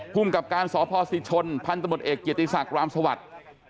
ภูมิกับการสพศิชนพันธมตเอกเกียรติศักดิ์รามสวัสดิ์